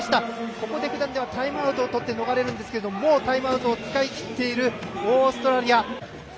ここでタイムアウトをとって逃れるんですけどもうタイムアウトを使い切っているオーストラリア。